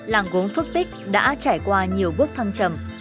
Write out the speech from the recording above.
làng gốm phước tích đã trải qua nhiều bước thăng trầm